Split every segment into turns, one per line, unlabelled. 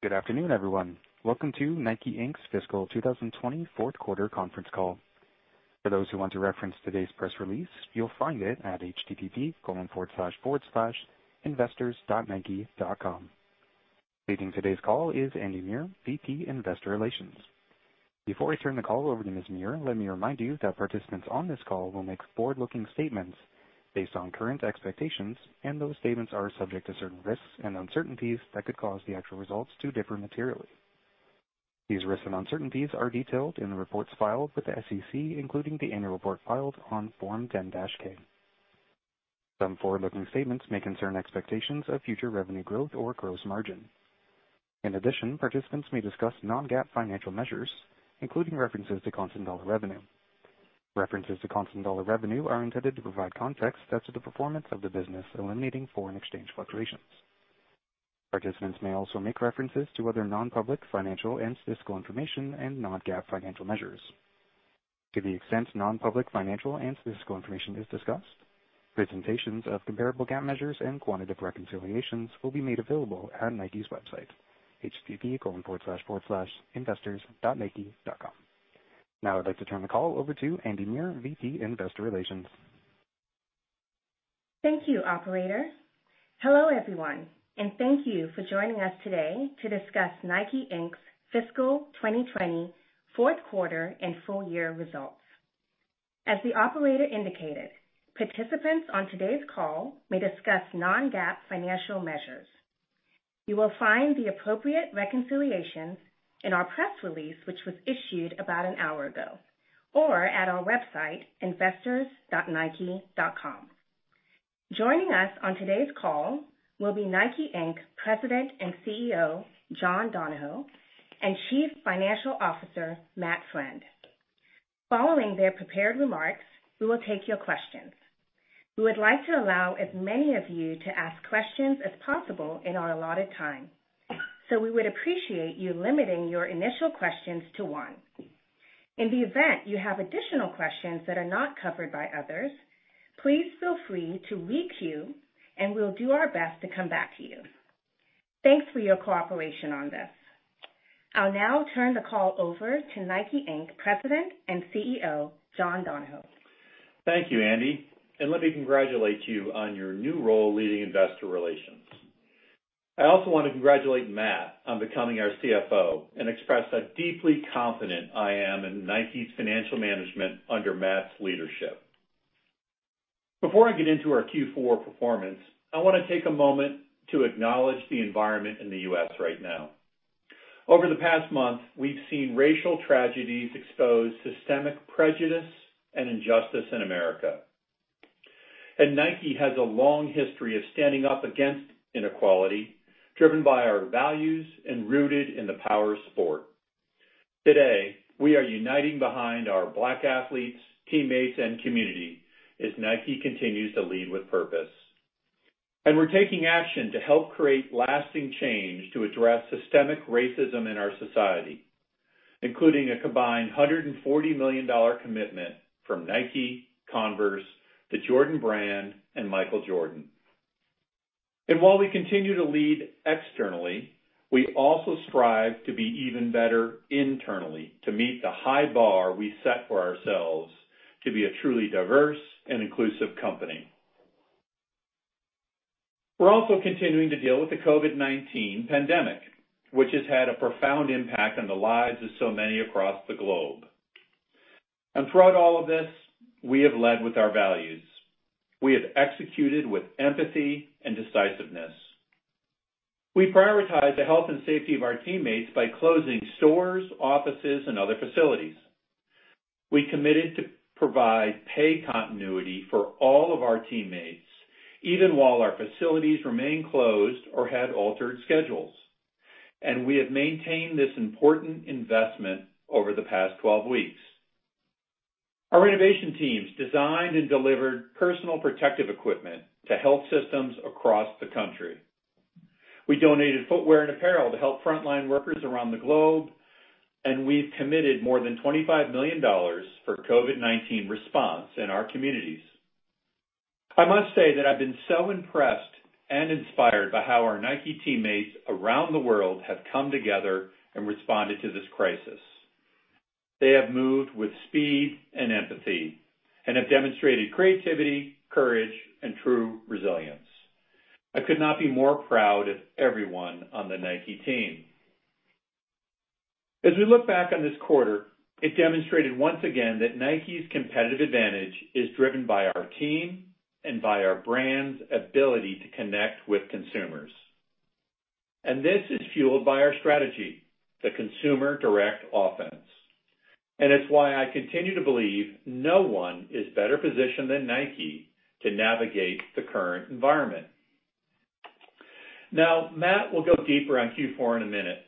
Good afternoon, everyone. Welcome to Nike Inc's fiscal 2020 fourth quarter conference call. For those who want to reference today's press release, you'll find it at http://investors.nike.com. Leading today's call is Andy Muir, VP Investor Relations. Before I turn the call over to Ms. Muir, let me remind you that participants on this call will make forward-looking statements based on current expectations, and those statements are subject to certain risks and uncertainties that could cause the actual results to differ materially. These risks and uncertainties are detailed in the reports filed with the SEC, including the annual report filed on Form 10-K. Some forward-looking statements may concern expectations of future revenue growth or gross margin. In addition, participants may discuss non-GAAP financial measures, including references to constant dollar revenue. References to constant dollar revenue are intended to provide context as to the performance of the business, eliminating foreign exchange fluctuations. Participants may also make references to other non-public financial and statistical information and non-GAAP financial measures. To the extent non-public financial and statistical information is discussed, presentations of comparable GAAP measures and quantitative reconciliations will be made available at Nike's website, http://investors.nike.com. Now I'd like to turn the call over to Andy Muir, VP, Investor Relations.
Thank you, operator. Hello, everyone, and thank you for joining us today to discuss Nike Inc's fiscal 2020 fourth quarter and full year results. As the operator indicated, participants on today's call may discuss non-GAAP financial measures. You will find the appropriate reconciliations in our press release, which was issued about an hour ago, or at our website, investors.nike.com. Joining us on today's call will be Nike Inc President and CEO John Donahoe and Chief Financial Officer Matt Friend. Following their prepared remarks, we will take your questions. We would like to allow as many of you to ask questions as possible in our allotted time. We would appreciate you limiting your initial questions to one. In the event you have additional questions that are not covered by others, please feel free to re-queue, and we'll do our best to come back to you. Thanks for your cooperation on this. I'll now turn the call over to Nike Inc President and CEO John Donahoe.
Thank you, Andy, and let me congratulate you on your new role leading investor relations. I also want to congratulate Matt on becoming our CFO and express how deeply confident I am in Nike's financial management under Matt's leadership. Before I get into our Q4 performance, I want to take a moment to acknowledge the environment in the U.S. right now. Over the past month, we've seen racial tragedies expose systemic prejudice and injustice in America. Nike has a long history of standing up against inequality, driven by our values and rooted in the power of sport. Today, we are uniting behind our Black athletes, teammates, and community as Nike continues to lead with purpose. We're taking action to help create lasting change to address systemic racism in our society, including a combined $140 million commitment from Nike, Converse, the Jordan Brand, and Michael Jordan. While we continue to lead externally, we also strive to be even better internally to meet the high bar we set for ourselves to be a truly diverse and inclusive company. We're also continuing to deal with the COVID-19 pandemic, which has had a profound impact on the lives of so many across the globe. Throughout all of this, we have led with our values. We have executed with empathy and decisiveness. We prioritize the health and safety of our teammates by closing stores, offices, and other facilities. We committed to provide pay continuity for all of our teammates, even while our facilities remain closed or had altered schedules. We have maintained this important investment over the past 12 weeks. Our innovation teams designed and delivered personal protective equipment to health systems across the country. We donated footwear and apparel to help frontline workers around the globe. We've committed more than $25 million for COVID-19 response in our communities. I must say that I've been so impressed and inspired by how our Nike teammates around the world have come together and responded to this crisis. They have moved with speed and empathy and have demonstrated creativity, courage, and true resilience. I could not be more proud of everyone on the Nike team. As we look back on this quarter, it demonstrated once again that Nike's competitive advantage is driven by our team and by our brand's ability to connect with consumers. This is fueled by our strategy, the Consumer Direct Offense, and it's why I continue to believe no one is better positioned than Nike to navigate the current environment. Now, Matt will go deeper on Q4 in a minute.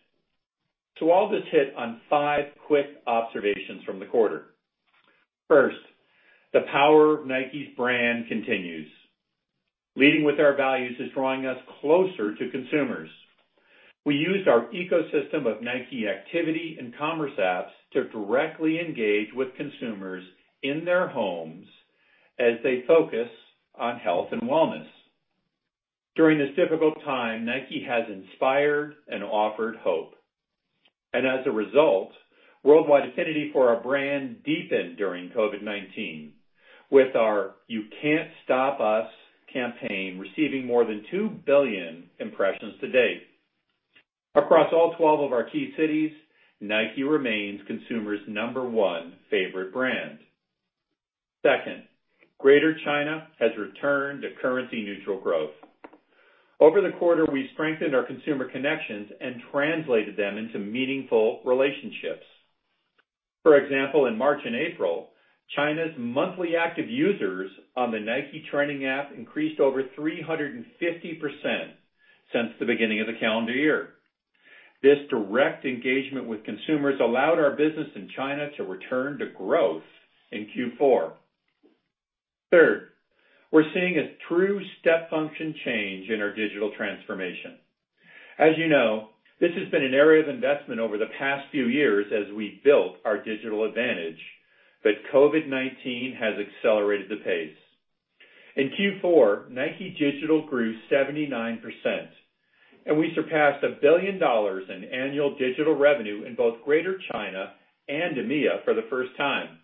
I'll just hit on five quick observations from the quarter. First, the power of Nike's brand continues. Leading with our values is drawing us closer to consumers. We used our ecosystem of Nike activity and commerce apps to directly engage with consumers in their homes as they focus on health and wellness. During this difficult time, Nike has inspired and offered hope. As a result, worldwide affinity for our brand deepened during COVID-19, with our You Can't Stop Us campaign receiving more than two billion impressions to date. Across all 12 of our key cities, Nike remains consumers' number one favorite brand. Second, Greater China has returned to currency-neutral growth. Over the quarter, we strengthened our consumer connections and translated them into meaningful relationships. For example, in March and April, China's monthly active users on the Nike Training app increased over 350% since the beginning of the calendar year. This direct engagement with consumers allowed our business in China to return to growth in Q4. Third, we're seeing a true step function change in our digital transformation. As you know, this has been an area of investment over the past few years as we built our digital advantage, but COVID-19 has accelerated the pace. In Q4, Nike Digital grew 79%, and we surpassed $1 billion in annual digital revenue in both Greater China and EMEA for the first time.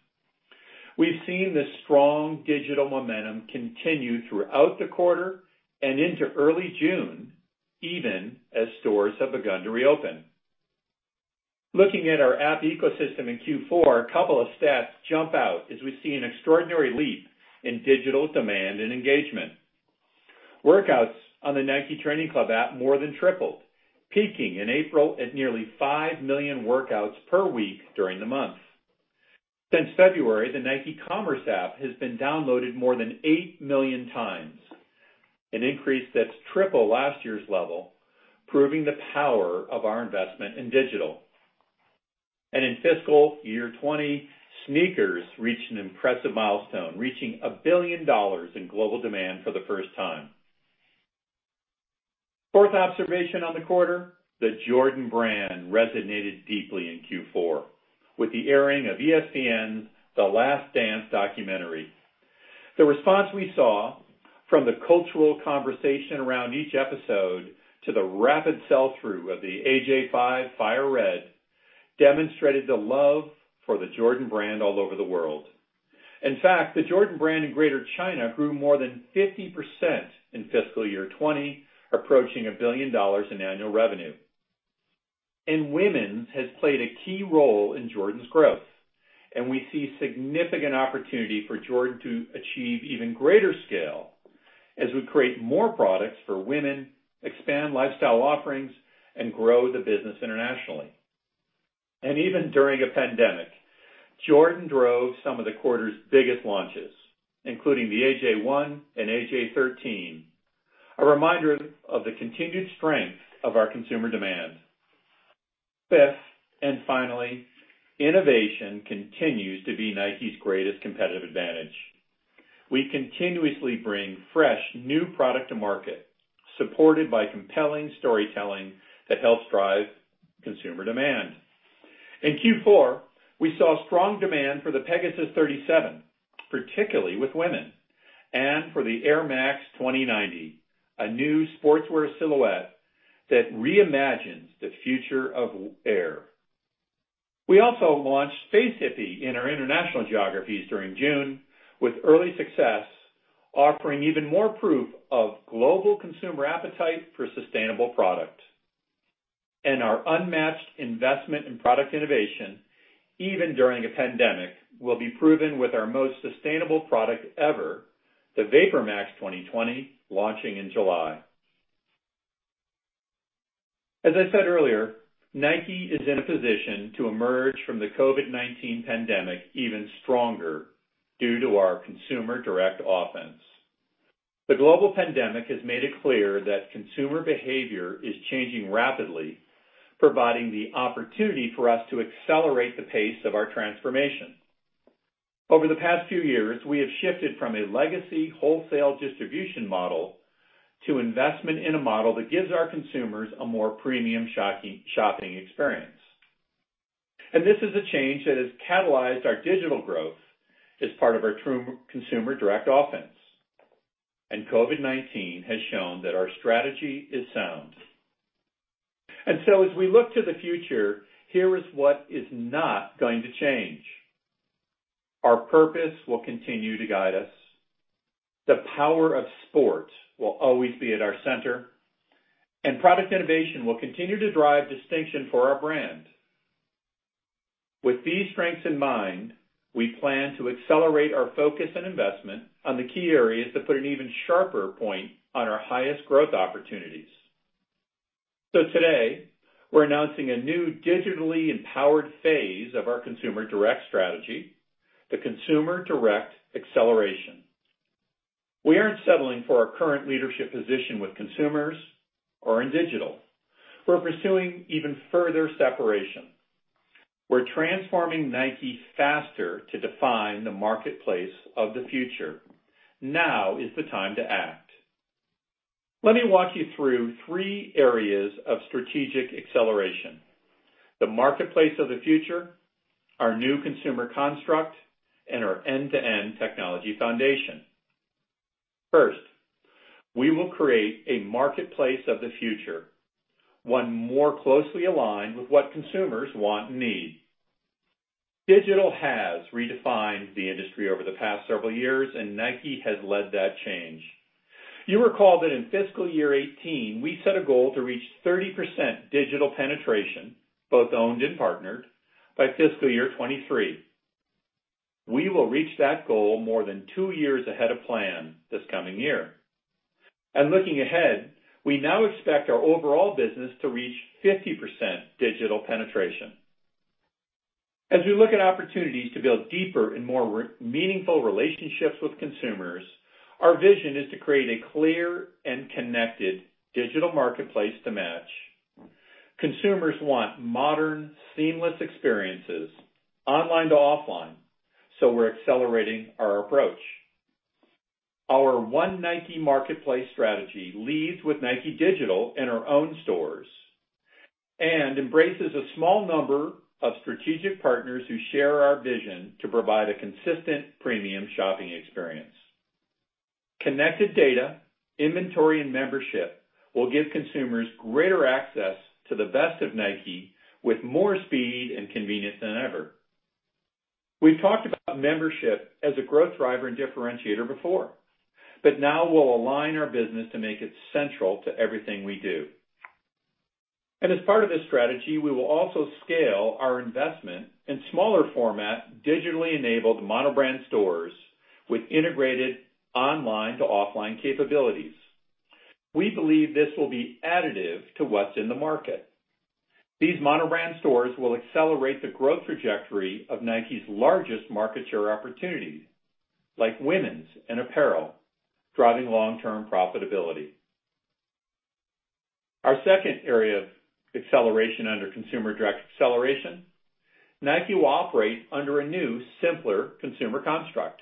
We've seen this strong digital momentum continue throughout the quarter and into early June, even as stores have begun to reopen. Looking at our app ecosystem in Q4, a couple of stats jump out as we see an extraordinary leap in digital demand and engagement. Workouts on the Nike Training Club app more than tripled, peaking in April at nearly 5 million workouts per week during the month. Since February, the Nike app has been downloaded more than 8 million times, an increase that's triple last year's level, proving the power of our investment in digital. In fiscal year 2020, SNKRS reached an impressive milestone, reaching $1 billion in global demand for the first time. Fourth observation on the quarter, the Jordan Brand resonated deeply in Q4 with the airing of ESPN's "The Last Dance" documentary. The response we saw from the cultural conversation around each episode to the rapid sell-through of the AJ5 Fire Red demonstrated the love for the Jordan Brand all over the world. In fact, the Jordan Brand in Greater China grew more than 50% in fiscal year 2020, approaching $1 billion in annual revenue. Women's has played a key role in Jordan's growth, and we see significant opportunity for Jordan to achieve even greater scale as we create more products for women, expand lifestyle offerings, and grow the business internationally. Even during a pandemic, Jordan drove some of the quarter's biggest launches, including the AJ1 and AJ13, a reminder of the continued strength of our consumer demand. Fifth, finally, innovation continues to be Nike's greatest competitive advantage. We continuously bring fresh, new product to market, supported by compelling storytelling that helps drive consumer demand. In Q4, we saw strong demand for the Pegasus 37, particularly with women, and for the Air Max 2090, a new sportswear silhouette that reimagines the future of air. We also launched Space Hippie in our international geographies during June with early success, offering even more proof of global consumer appetite for sustainable product. Our unmatched investment in product innovation, even during a pandemic, will be proven with our most sustainable product ever, the VaporMax 2020, launching in July. As I said earlier, Nike is in a position to emerge from the COVID-19 pandemic even stronger due to our Consumer Direct Offense. The global pandemic has made it clear that consumer behavior is changing rapidly, providing the opportunity for us to accelerate the pace of our transformation. Over the past few years, we have shifted from a legacy wholesale distribution model to investment in a model that gives our consumers a more premium shopping experience. This is a change that has catalyzed our digital growth as part of our true Consumer Direct Offense. COVID-19 has shown that our strategy is sound. As we look to the future, here is what is not going to change. Our purpose will continue to guide us, the power of sport will always be at our center, and product innovation will continue to drive distinction for our brand. With these strengths in mind, we plan to accelerate our focus and investment on the key areas that put an even sharper point on our highest growth opportunities. Today, we're announcing a new digitally empowered phase of our consumer direct strategy, the Consumer Direct Acceleration. We aren't settling for our current leadership position with consumers or in digital. We're pursuing even further separation. We're transforming Nike faster to define the marketplace of the future. Now is the time to act. Let me walk you through three areas of strategic acceleration. The marketplace of the future, our new consumer construct, and our end-to-end technology foundation. First, we will create a marketplace of the future, one more closely aligned with what consumers want and need. Digital has redefined the industry over the past several years, and Nike has led that change. You recall that in fiscal year 2018, we set a goal to reach 30% digital penetration, both owned and partnered, by fiscal year 2023. We will reach that goal more than two years ahead of plan this coming year. Looking ahead, we now expect our overall business to reach 50% digital penetration. As we look at opportunities to build deeper and more meaningful relationships with consumers, our vision is to create a clear and connected digital marketplace to match. Consumers want modern, seamless experiences, online to offline, so we're accelerating our approach. Our One Nike Marketplace strategy leads with Nike Digital and our own stores and embraces a small number of strategic partners who share our vision to provide a consistent premium shopping experience. Connected data, inventory, and membership will give consumers greater access to the best of Nike with more speed and convenience than ever. We've talked about membership as a growth driver and differentiator before. Now we'll align our business to make it central to everything we do. As part of this strategy, we will also scale our investment in smaller format, digitally enabled mono-brand stores with integrated online to offline capabilities. We believe this will be additive to what's in the market. These mono-brand stores will accelerate the growth trajectory of Nike's largest market share opportunities, like women's and apparel, driving long-term profitability. Our second area of acceleration under Consumer Direct Acceleration, Nike will operate under a new, simpler consumer construct.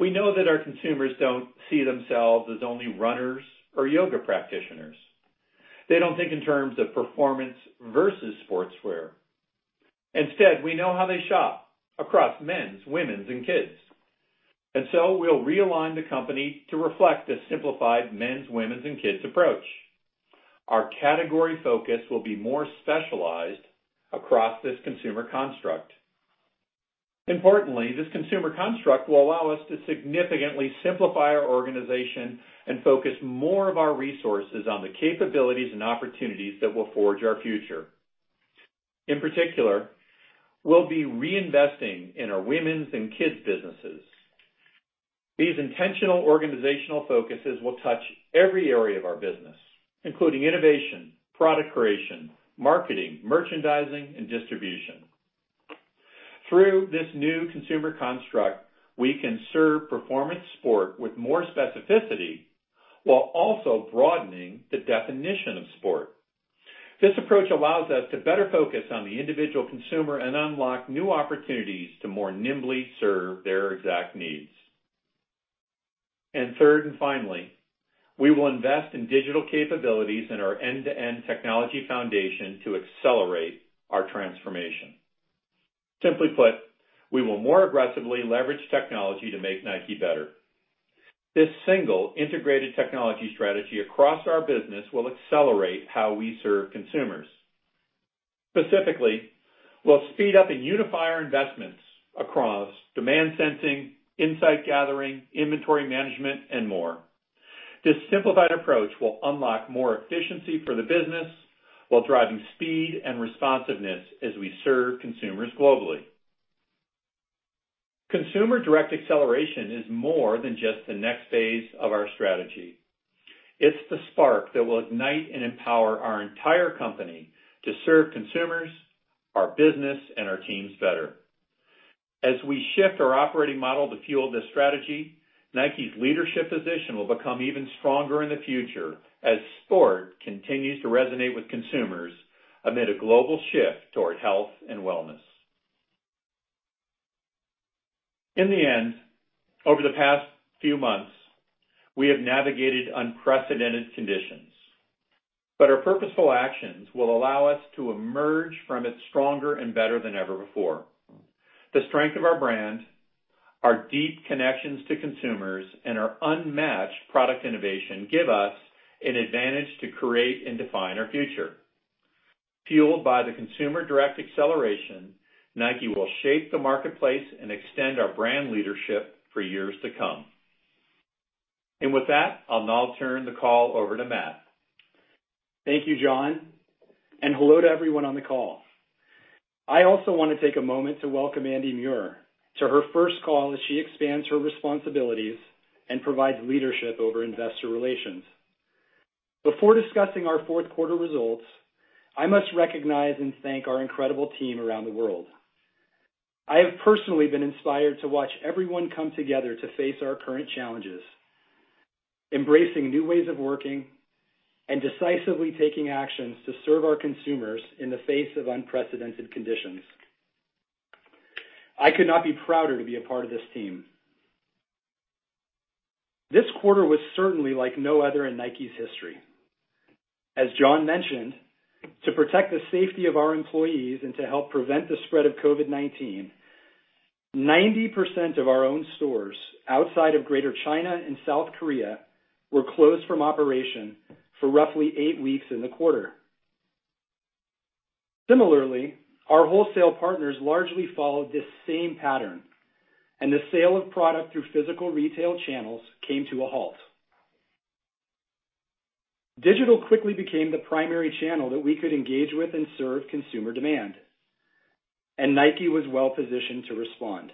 We know that our consumers don't see themselves as only runners or yoga practitioners. They don't think in terms of performance versus sportswear. Instead, we know how they shop across men's, women's, and kids. We'll realign the company to reflect a simplified men's, women's, and kids approach. Our category focus will be more specialized across this consumer construct. Importantly, this consumer construct will allow us to significantly simplify our organization and focus more of our resources on the capabilities and opportunities that will forge our future. In particular, we'll be reinvesting in our women's and kids' businesses. These intentional organizational focuses will touch every area of our business, including innovation, product creation, marketing, merchandising, and distribution. Through this new consumer construct, we can serve performance sport with more specificity while also broadening the definition of sport. This approach allows us to better focus on the individual consumer and unlock new opportunities to more nimbly serve their exact needs. Third, and finally, we will invest in digital capabilities in our end-to-end technology foundation to accelerate our transformation. Simply put, we will more aggressively leverage technology to make Nike better. This single integrated technology strategy across our business will accelerate how we serve consumers. Specifically, we'll speed up and unify our investments across demand sensing, insight gathering, inventory management, and more. This simplified approach will unlock more efficiency for the business while driving speed and responsiveness as we serve consumers globally. Consumer Direct Acceleration is more than just the next phase of our strategy. It's the spark that will ignite and empower our entire company to serve consumers, our business, and our teams better. As we shift our operating model to fuel this strategy, Nike's leadership position will become even stronger in the future as sport continues to resonate with consumers amid a global shift toward health and wellness. In the end, over the past few months, we have navigated unprecedented conditions, but our purposeful actions will allow us to emerge from it stronger and better than ever before. The strength of our brand, our deep connections to consumers, and our unmatched product innovation give us an advantage to create and define our future. Fueled by the Consumer Direct Acceleration, Nike will shape the marketplace and extend our brand leadership for years to come. With that, I'll now turn the call over to Matt.
Thank you, John, and hello to everyone on the call. I also want to take a moment to welcome Andy Muir to her first call as she expands her responsibilities and provides leadership over investor relations. Before discussing our fourth quarter results, I must recognize and thank our incredible team around the world. I have personally been inspired to watch everyone come together to face our current challenges, embracing new ways of working, and decisively taking actions to serve our consumers in the face of unprecedented conditions. I could not be prouder to be a part of this team. This quarter was certainly like no other in Nike's history. As John mentioned, to protect the safety of our employees and to help prevent the spread of COVID-19, 90% of our own stores outside of Greater China and South Korea were closed from operation for roughly eight weeks in the quarter. Similarly, our wholesale partners largely followed this same pattern, and the sale of product through physical retail channels came to a halt. Digital quickly became the primary channel that we could engage with and serve consumer demand, and Nike was well positioned to respond.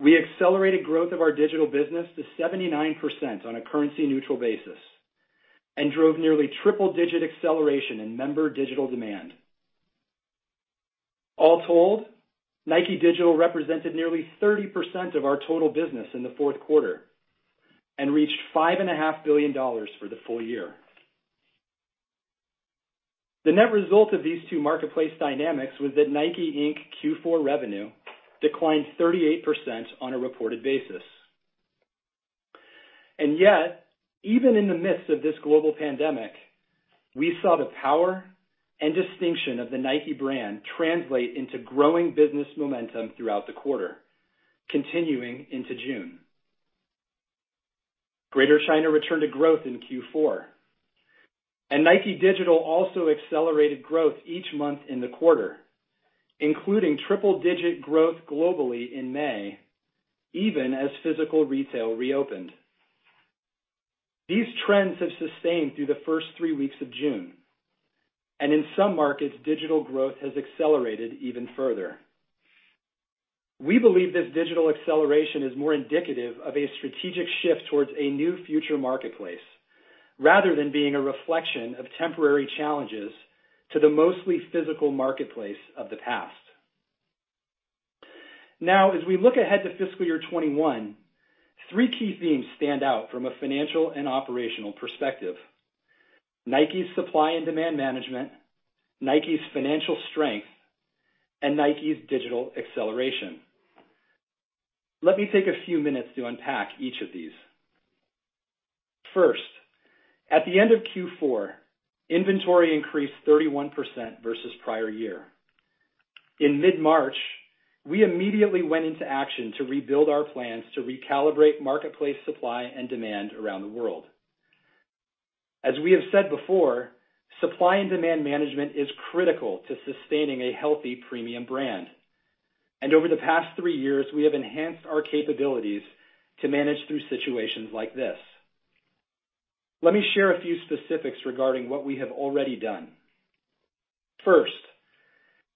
We accelerated growth of our digital business to 79% on a currency neutral basis and drove nearly triple-digit acceleration in member digital demand. All told, Nike Digital represented nearly 30% of our total business in the fourth quarter and reached $5.5 billion for the full year. The net result of these two marketplace dynamics was that Nike, Inc. Q4 revenue declined 38% on a reported basis. Yet, even in the midst of this global pandemic, we saw the power and distinction of the Nike brand translate into growing business momentum throughout the quarter, continuing into June. Greater China returned to growth in Q4. Nike Digital also accelerated growth each month in the quarter, including triple digit growth globally in May, even as physical retail reopened. These trends have sustained through the first three weeks of June. In some markets, digital growth has accelerated even further. We believe this digital acceleration is more indicative of a strategic shift towards a new future marketplace rather than being a reflection of temporary challenges to the mostly physical marketplace of the past. As we look ahead to fiscal year 2021, three key themes stand out from a financial and operational perspective. Nike's supply and demand management, Nike's financial strength, and Nike's digital acceleration. Let me take a few minutes to unpack each of these. First, at the end of Q4, inventory increased 31% versus prior year. In mid-March, we immediately went into action to rebuild our plans to recalibrate marketplace supply and demand around the world. As we have said before, supply and demand management is critical to sustaining a healthy premium brand. Over the past three years, we have enhanced our capabilities to manage through situations like this. Let me share a few specifics regarding what we have already done. First,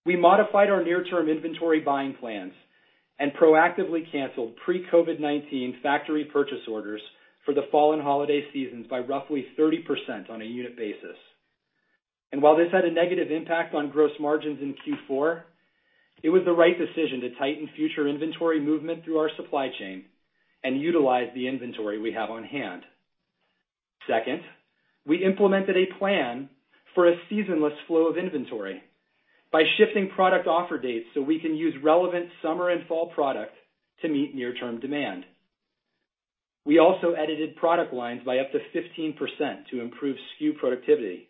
we modified our near-term inventory buying plans and proactively canceled pre-COVID-19 factory purchase orders for the fall and holiday seasons by roughly 30% on a unit basis. While this had a negative impact on gross margins in Q4, it was the right decision to tighten future inventory movement through our supply chain and utilize the inventory we have on hand. Second, we implemented a plan for a seasonless flow of inventory by shifting product offer dates so we can use relevant summer and fall product to meet near-term demand. We also edited product lines by up to 15% to improve SKU productivity.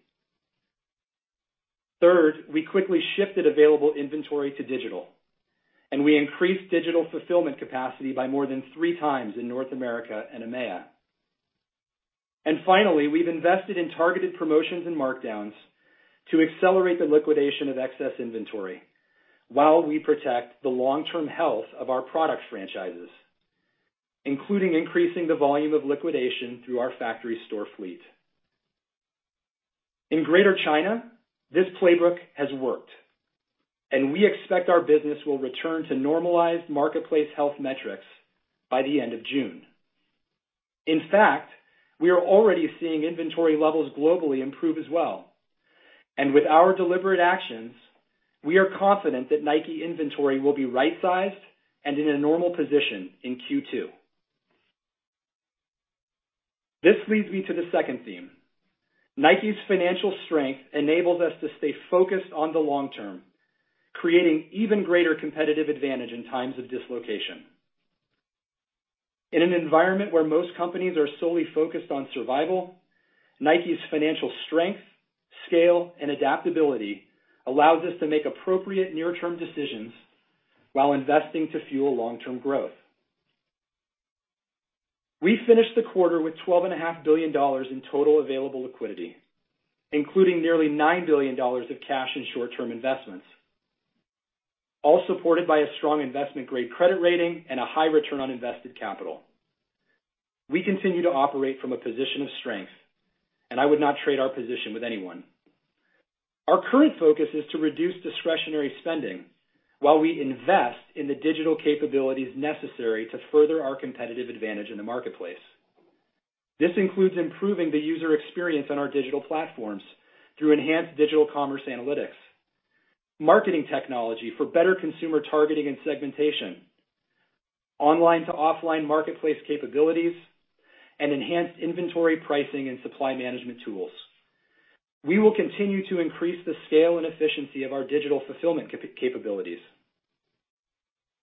Third, we quickly shifted available inventory to digital, we increased digital fulfillment capacity by more than three times in North America and EMEA. Finally, we've invested in targeted promotions and markdowns to accelerate the liquidation of excess inventory while we protect the long-term health of our product franchises, including increasing the volume of liquidation through our factory store fleet. In Greater China, this playbook has worked, we expect our business will return to normalized marketplace health metrics by the end of June. In fact, we are already seeing inventory levels globally improve as well. With our deliberate actions, we are confident that Nike inventory will be right-sized and in a normal position in Q2. This leads me to the second theme. Nike's financial strength enables us to stay focused on the long term, creating even greater competitive advantage in times of dislocation. In an environment where most companies are solely focused on survival, Nike's financial strength, scale, and adaptability allows us to make appropriate near-term decisions while investing to fuel long-term growth. We finished the quarter with $12.5 billion in total available liquidity, including nearly $9 billion of cash and short-term investments, all supported by a strong investment-grade credit rating and a high return on invested capital. We continue to operate from a position of strength, and I would not trade our position with anyone. Our current focus is to reduce discretionary spending while we invest in the digital capabilities necessary to further our competitive advantage in the marketplace. This includes improving the user experience on our digital platforms through enhanced digital commerce analytics, marketing technology for better consumer targeting and segmentation, online to offline marketplace capabilities, and enhanced inventory pricing and supply management tools. We will continue to increase the scale and efficiency of our digital fulfillment capabilities.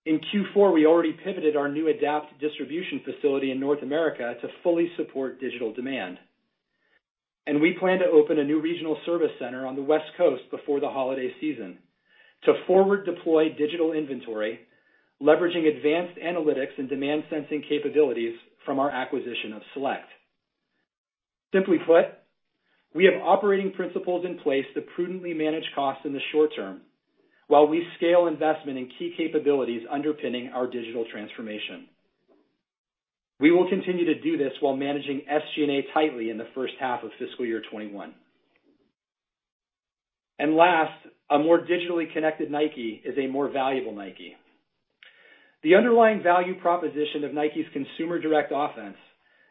In Q4, we already pivoted our new adaptive distribution facility in North America to fully support digital demand. We plan to open a new regional service center on the West Coast before the holiday season to forward deploy digital inventory, leveraging advanced analytics and demand sensing capabilities from our acquisition of Celect. Simply put, we have operating principles in place to prudently manage costs in the short term while we scale investment in key capabilities underpinning our digital transformation. We will continue to do this while managing SG&A tightly in the first half of fiscal year 2021. Last, a more digitally connected Nike is a more valuable Nike. The underlying value proposition of Nike's Consumer Direct Offense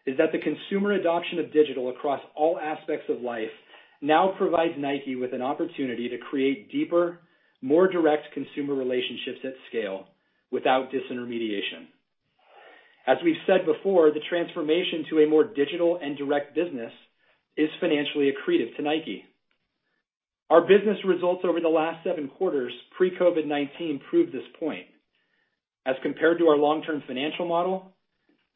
is that the consumer adoption of digital across all aspects of life now provides Nike with an opportunity to create deeper, more direct consumer relationships at scale without disintermediation. As we've said before, the transformation to a more digital and direct business is financially accretive to Nike. Our business results over the last seven quarters pre-COVID-19 prove this point. As compared to our long-term financial model,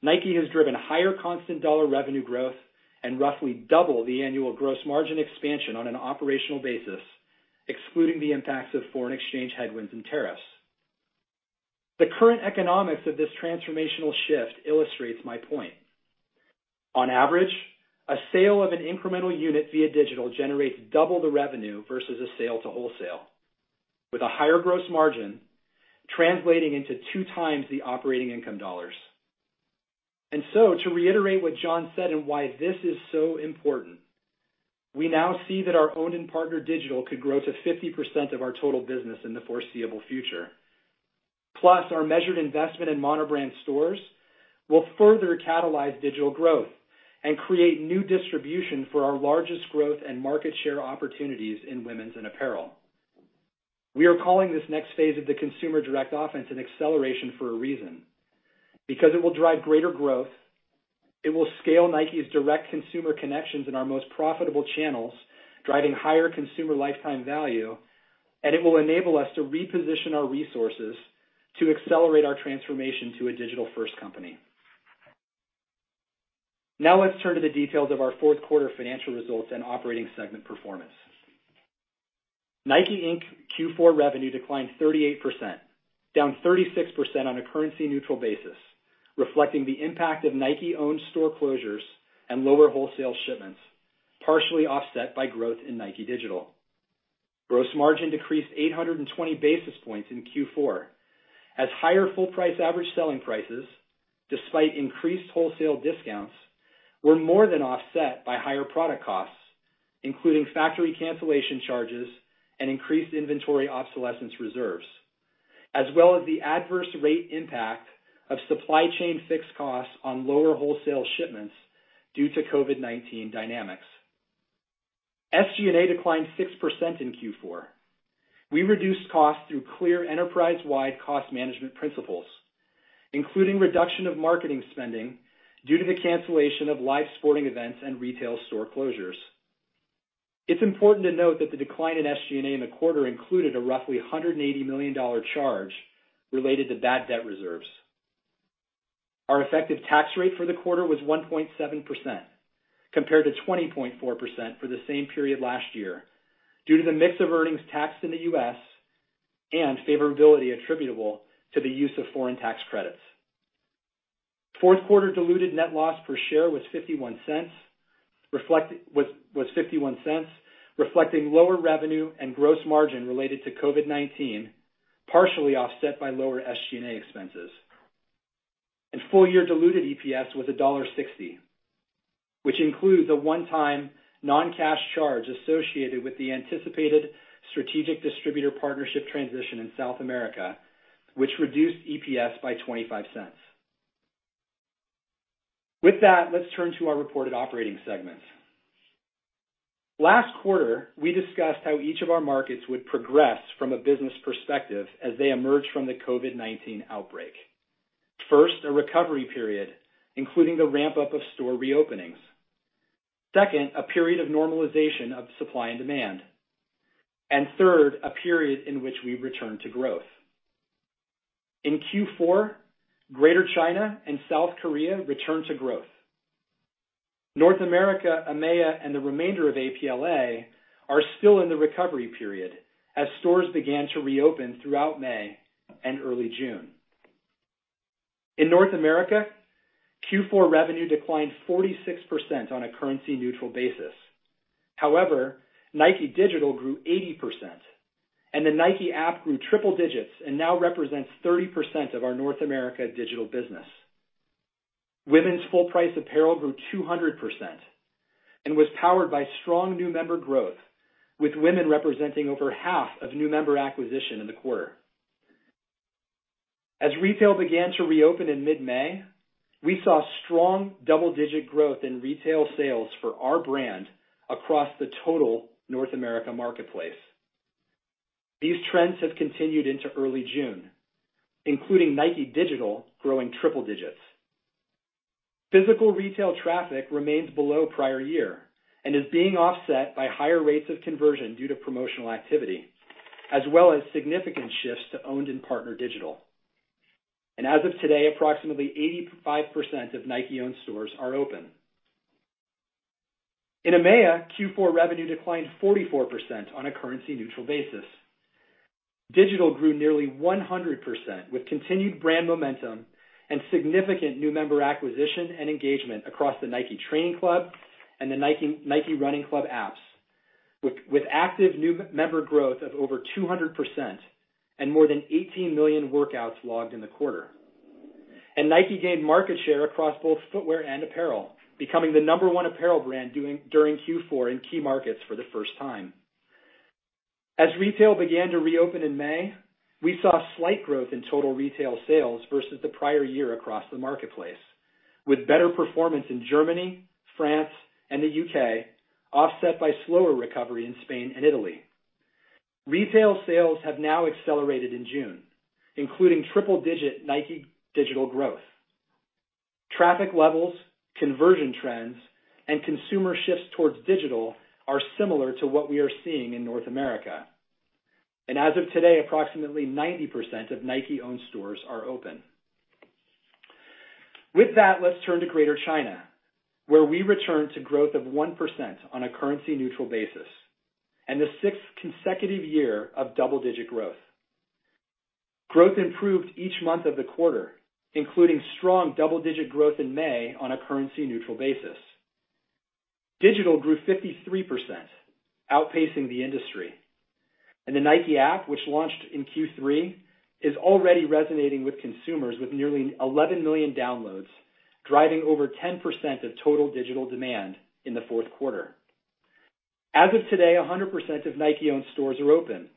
Nike has driven higher constant dollar revenue growth and roughly double the annual gross margin expansion on an operational basis, excluding the impacts of foreign exchange headwinds and tariffs. The current economics of this transformational shift illustrates my point. On average, a sale of an incremental unit via digital generates double the revenue versus a sale to wholesale, with a higher gross margin translating into two times the operating income dollars. To reiterate what John said and why this is so important, we now see that our owned and partnered digital could grow to 50% of our total business in the foreseeable future. Our measured investment in mono-brand stores will further catalyze digital growth and create new distribution for our largest growth and market share opportunities in women's and apparel. We are calling this next phase of the Consumer Direct Offense an acceleration for a reason. It will drive greater growth, it will scale Nike's direct consumer connections in our most profitable channels, driving higher consumer lifetime value, and it will enable us to reposition our resources to accelerate our transformation to a digital-first company. Let's turn to the details of our fourth quarter financial results and operating segment performance. Nike, Inc. Q4 revenue declined 38%, down 36% on a currency neutral basis, reflecting the impact of Nike-owned store closures and lower wholesale shipments, partially offset by growth in Nike Digital. Gross margin decreased 820 basis points in Q4 as higher full price average selling prices, despite increased wholesale discounts, were more than offset by higher product costs, including factory cancellation charges and increased inventory obsolescence reserves, as well as the adverse rate impact of supply chain fixed costs on lower wholesale shipments due to COVID-19 dynamics. SG&A declined 6% in Q4. We reduced costs through clear enterprise-wide cost management principles, including reduction of marketing spending due to the cancellation of live sporting events and retail store closures. It's important to note that the decline in SG&A in the quarter included a roughly $180 million charge related to bad debt reserves. Our effective tax rate for the quarter was 1.7%, compared to 20.4% for the same period last year, due to the mix of earnings taxed in the U.S. and favorability attributable to the use of foreign tax credits. Fourth quarter diluted net loss per share was $0.51, reflecting lower revenue and gross margin related to COVID-19, partially offset by lower SG&A expenses. Full-year diluted EPS was $1.60, which includes a one-time non-cash charge associated with the anticipated strategic distributor partnership transition in South America, which reduced EPS by $0.25. With that, let's turn to our reported operating segments. Last quarter, we discussed how each of our markets would progress from a business perspective as they emerge from the COVID-19 outbreak. First, a recovery period, including the ramp-up of store reopenings. Second, a period of normalization of supply and demand. Third, a period in which we return to growth. In Q4, Greater China and South Korea returned to growth. North America, EMEA, and the remainder of APLA are still in the recovery period as stores began to reopen throughout May and early June. In North America, Q4 revenue declined 46% on a currency-neutral basis. Nike Digital grew 80%, and the Nike app grew triple digits and now represents 30% of our North America digital business. Women's full price apparel grew 200% and was powered by strong new member growth, with women representing over half of new member acquisition in the quarter. As retail began to reopen in mid-May, we saw strong double-digit growth in retail sales for our brand across the total North America marketplace. These trends have continued into early June, including Nike Digital growing triple digits. Physical retail traffic remains below prior year and is being offset by higher rates of conversion due to promotional activity, as well as significant shifts to owned and partner digital. As of today, approximately 85% of Nike-owned stores are open. In EMEA, Q4 revenue declined 44% on a currency-neutral basis. Digital grew nearly 100%, with continued brand momentum and significant new member acquisition and engagement across the Nike Training Club and the Nike Run Club apps, with active new member growth of over 200% and more than 18 million workouts logged in the quarter. Nike gained market share across both footwear and apparel, becoming the number 1 apparel brand during Q4 in key markets for the first time. As retail began to reopen in May, we saw slight growth in total retail sales versus the prior year across the marketplace, with better performance in Germany, France, and the U.K., offset by slower recovery in Spain and Italy. Retail sales have now accelerated in June, including triple-digit Nike Digital growth. Traffic levels, conversion trends, and consumer shifts towards digital are similar to what we are seeing in North America. As of today, approximately 90% of Nike-owned stores are open. With that, let's turn to Greater China, where we returned to growth of 1% on a currency-neutral basis and the sixth consecutive year of double-digit growth. Growth improved each month of the quarter, including strong double-digit growth in May on a currency-neutral basis. Nike Digital grew 53%, outpacing the industry. The Nike App, which launched in Q3, is already resonating with consumers with nearly 11 million downloads, driving over 10% of total digital demand in the fourth quarter. As of today, 100% of Nike-owned stores are open.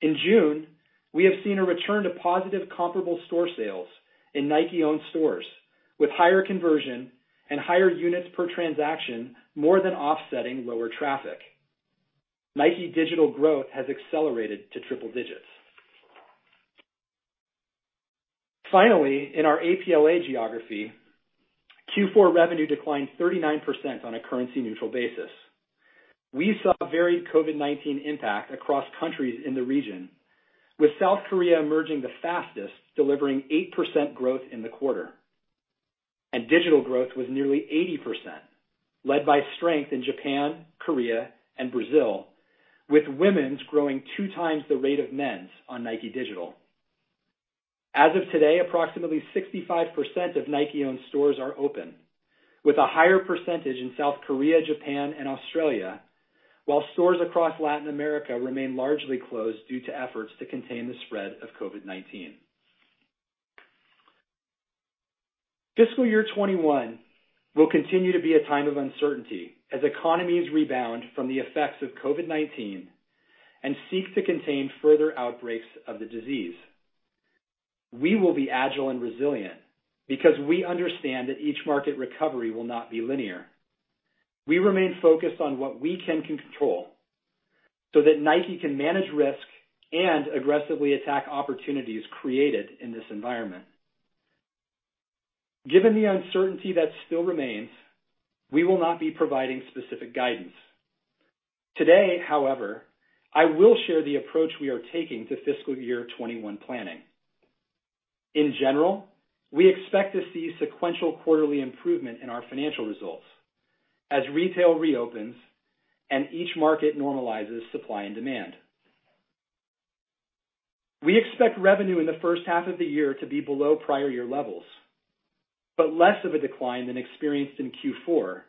In June, we have seen a return to positive comparable store sales in Nike-owned stores, with higher conversion and higher units per transaction, more than offsetting lower traffic. Nike Digital growth has accelerated to triple digits. Finally, in our APLA geography, Q4 revenue declined 39% on a currency-neutral basis. We saw varied COVID-19 impact across countries in the region, with South Korea emerging the fastest, delivering 8% growth in the quarter. Digital growth was nearly 80%, led by strength in Japan, Korea, and Brazil, with women's growing two times the rate of men's on Nike Digital. As of today, approximately 65% of Nike-owned stores are open, with a higher percentage in South Korea, Japan, and Australia, while stores across Latin America remain largely closed due to efforts to contain the spread of COVID-19. Fiscal year 2021 will continue to be a time of uncertainty as economies rebound from the effects of COVID-19 and seek to contain further outbreaks of the disease. We will be agile and resilient because we understand that each market recovery will not be linear. We remain focused on what we can control so that Nike can manage risk and aggressively attack opportunities created in this environment. Given the uncertainty that still remains, we will not be providing specific guidance. Today, however, I will share the approach we are taking to fiscal year 2021 planning. In general, we expect to see sequential quarterly improvement in our financial results as retail reopens and each market normalizes supply and demand. We expect revenue in the first half of the year to be below prior year levels, but less of a decline than experienced in Q4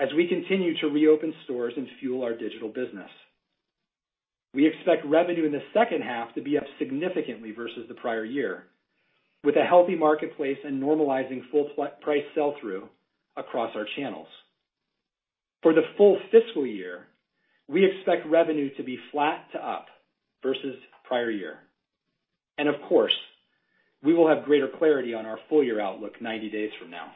as we continue to reopen stores and fuel our digital business. We expect revenue in the second half to be up significantly versus the prior year, with a healthy marketplace and normalizing full price sell-through across our channels. For the full fiscal year, we expect revenue to be flat to up versus prior year. Of course, we will have greater clarity on our full-year outlook 90 days from now.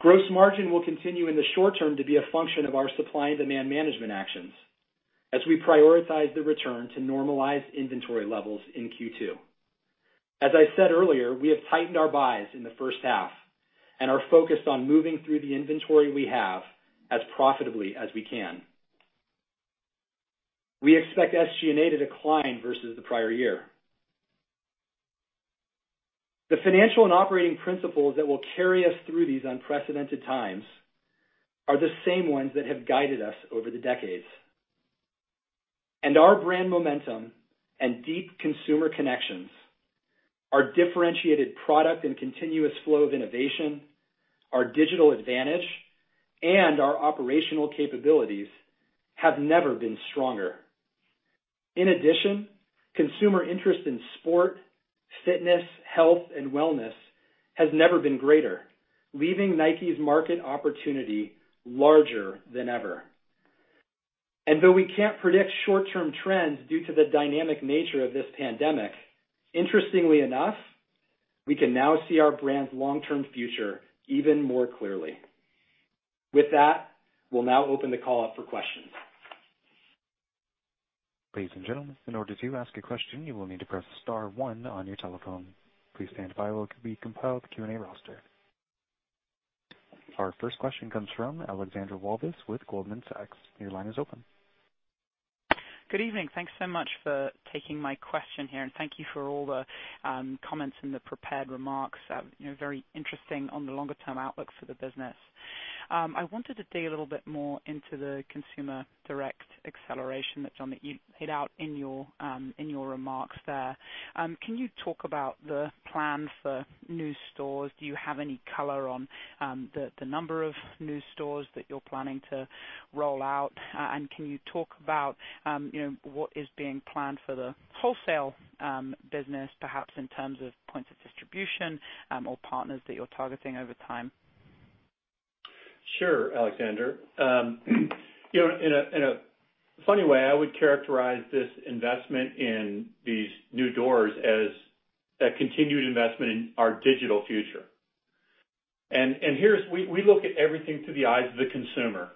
Gross margin will continue in the short term to be a function of our supply and demand management actions as we prioritize the return to normalized inventory levels in Q2. As I said earlier, we have tightened our buys in the first half and are focused on moving through the inventory we have as profitably as we can. We expect SG&A to decline versus the prior year. The financial and operating principles that will carry us through these unprecedented times are the same ones that have guided us over the decades. Our brand momentum and deep consumer connections, our differentiated product and continuous flow of innovation, our digital advantage, and our operational capabilities have never been stronger. In addition, consumer interest in sport, fitness, health, and wellness has never been greater, leaving Nike's market opportunity larger than ever.
Though we can't predict short-term trends due to the dynamic nature of this pandemic, interestingly enough, we can now see our brand's long-term future even more clearly. With that, we'll now open the call up for questions.
Ladies and gentlemen, in order to ask a question, you will need to press star one on your telephone. Please stand by while we compile the Q&A roster. Our first question comes from Alexandra Walvis with Goldman Sachs. Your line is open.
Good evening. Thanks so much for taking my question here, and thank you for all the comments and the prepared remarks. Very interesting on the longer term outlook for the business. I wanted to dig a little bit more into the Consumer Direct Acceleration that, John, you laid out in your remarks there. Can you talk about the plans for new stores? Do you have any color on the number of new stores that you're planning to roll out? Can you talk about what is being planned for the wholesale business, perhaps in terms of points of distribution or partners that you're targeting over time?
Sure, Alexandra. In a funny way, I would characterize this investment in these new doors as a continued investment in our digital future. We look at everything through the eyes of the consumer.